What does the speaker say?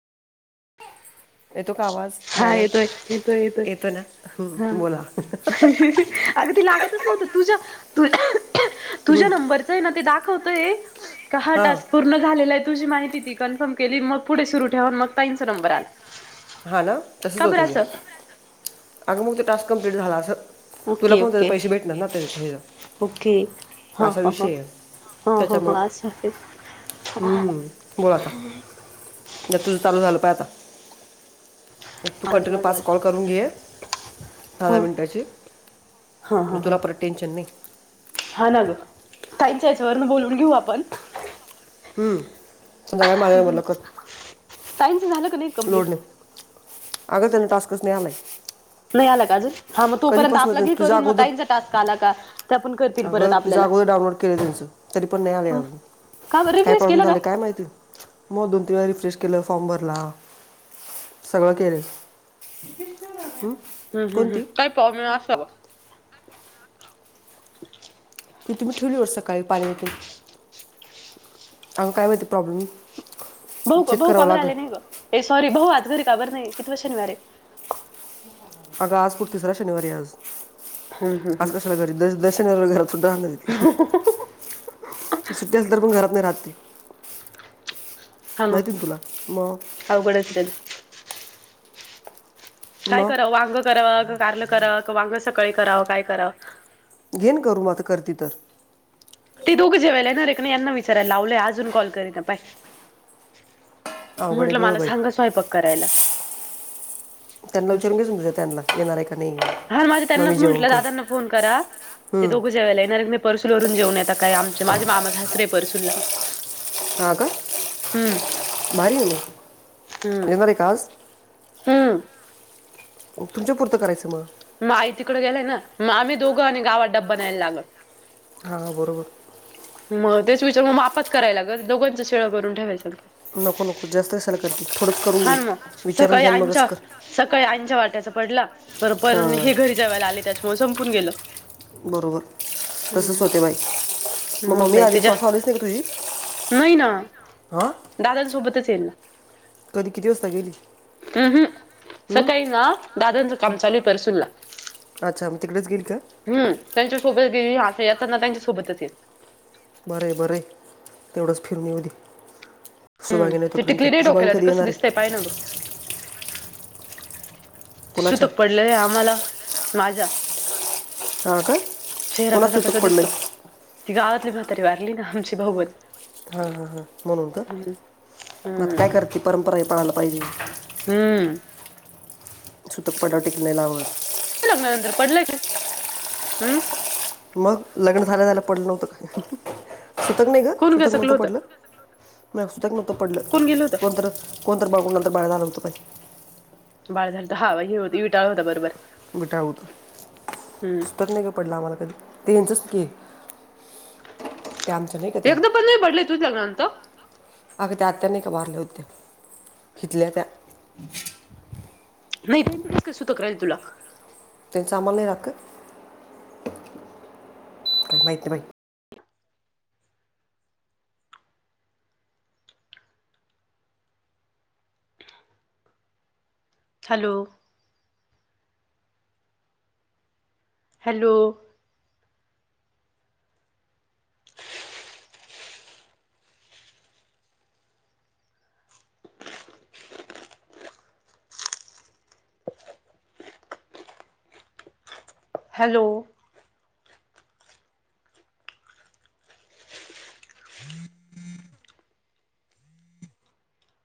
येतो का आवाज हा मॅडम येतोय येतोय येतोय येतो ना हं, हा बोला अगदी लागतच नव्हतं तुझ्या तुझ्या तुझ्या नंबरचं आहे ना ते दाखवतय का हा हां टास्क. पूर्ण झालेलं आहे तुझी माहिती ती कन्फर्म केली मग पुढे सुरू ठेवाून मग ताईंचा नंबर आला. हा ना तसच का बरं होते ते असं अग मग त टास्क कम्प्लीट झाला अस. तुला ओके पण त्या ओके पैसे भेटणार ना तरथे असा विषय आहे. हो हो हो अच. हम्म बोला आता तुझं चालू झालं पा आता तू चाल कंटिन्यू माझं पाच कॉल करून घे दहा दहा मिनिटाची हा म्हज तुला परत टेनशन नाही हा ना ग काहीच याच्यावरून बोलून घेऊ आपण हम्म संध्याकाळी माझ्या मोबाईला कर ताई न च झालं कनेक्ट लोडणे अग त्यांना टासस्कस नाही आला नाही आला का अजून हा मग तोपर्यंत कधीपासून आपल्या घ त्यांचं तुझ्या करून म अगोदर ताईंचा टास्क आला का आपण कर अगं तुझ्या अगोदर डाउनलोड केले त्यांच तरी पण नाही आले अजून का बर काय रिफ्रेश प्रॉब्लेम केलं का झाले काय माहिती मग दोन तीन वेळा रिफ्रेश केलं फॉर्म भरला सगळं केले हम हम् हम्म काही प्रॉब्लेम असेल की तुम्हीेवलीवर सकाळी [unintelligible] आंग कायते प्रॉब्म भाऊ भाऊ काबवर आले नाही ग ए सॉरी भाऊ आज घरी काबर नाही किवा शनिवारे ह अग आज कुठतीसरा शनिवारी आज हम्म हम्म आज कशाला घरीर शनिवारी घरात सुद्ा ह सुट्टी असल्या तर पण घरात नाही राहतते हा ना माहिती म तुला मग अवघडच काय करावं मग वांग करावं कारल कराव वांग सकाळी करावं काय करावं घेन करू म आता करती तर ती दोघ जेवायलाय ना रेखना यांना विचारायला लावलंय अजून कॉल करी ना पाय अवघड आहे म्हटलं ग मला बाई सांग स्वयंपाक करायला त्यांना असं विचारून घे सज त्यांना येणार आहे का नाही हा माझे मग मी त्यांनाच जेवण म्हंटलं करू दादांना फोन करा ते हम्म. दोघे जेवायला येणार परसूल वरून जेऊन येत काय आम माझे मामासासरे आहे परसूलला हां अ का हम्म मारील एणार आहे का आज हम तुमच्या पुरतं करायचं मग म आई तिकडें गेलाय ना मग आम्ही दोघं आणि गावात डब न्यायला लागल हा बरोबर मग तेच विचारून मग मापत करायला लागल दोघांचं शीळ करून ठेवायच नको नको जास्त असयल कर की थोडंच करून हा घे ना मग विचारून सकाळी घ्यान मगच आईंच्या कर सकाळी आऐच्या वाट्याचा पडला पर पर हे हां घरी जेवयला आले त्याच्यामुळे संपून गेलं बरोबर तसंच हम्म होतेबाई मग मम्मी बाई आली तिच्या श्वास आलीच नाही का तुझी नाही ना हा दादांसोबतच येईल ना कधी किती वाजता गेली अहं सकाळी ना दादांचं काम चालू आहे परसुरला अच्छा म तिकडेच गेईल का हम् त्यांच्या सोबत येईल असं याताना त्यांच्या सोबतच येईल बर आहे बरं आहे तेवढंच फिरणी होली सुुभागेले हो तोपर्यंत तुज माांग कध येणार आहे य ना कोणाच्या सुतक पडलंय आम्हाला माझ्या हां का चेहरा कोणाच कसा सुतक कसा पडलं दिसतो आहे? ती गावातली म्हातारी वारली ना आमची बहवत हा हा हा म्हणून ग मत हम्म काय करते परंपरा पाळायला पाहिजे हम्म सुतकपट टिकलेला हवं लागल्या नंतर पडलं हम् मग लग्न झालं झाला पडलं नव्हतं का? सुतक नाही ग कोण सुतक गसकलं नव्हतं होतं पडलं नाही सुतक नव्हतं पडलं कोण गेलं कोंत. होतं कोणत ब बाून न तरर पाय आलं होतंहि. बाळ झालंत ह हे हो वि टाळ होता बरोबर. बटा हम्म होतस्तक नाही का पडलं आम्हाला कधी ते यांचंच के नाही का त्या एकदा पण नाही पडलय तु लग्नंत. अग त्या आत्याने का बारल्या होत्याथल्या. नाही तेस काय सुत कराल तुला तिन चचामल नाही राख. का माहिती माहिती हॅलो. हॅलो. हॅलो.